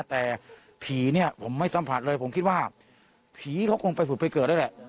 แต่ผีเนี่ยผมไม่สัมผัสเลยผมคิดว่าผีเขาคงไปผุดไปเกิดนั่นแหละ